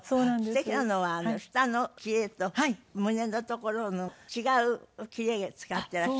すてきなのは下の布と胸の所の違う布使っていらっしゃる。